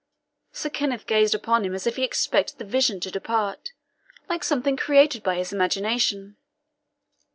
Sir Kenneth gazed upon him as if he expected the vision to depart, like something created by his imagination.